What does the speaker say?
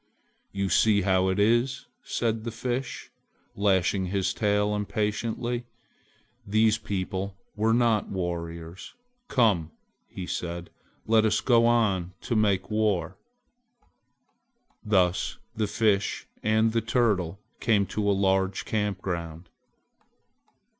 "You see how it is," said the Fish, lashing his tail impatiently, "these people were not warriors!" "Come!" he said, "let us go on to make war." Thus the Fish and the Turtle came to a large camp ground.